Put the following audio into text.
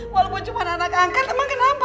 walaupun cuma anak angkat emang kenapa